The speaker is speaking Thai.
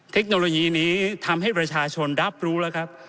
เทคโนโลยีนี้ทำให้ประชาชนรับรู้แล้วครับ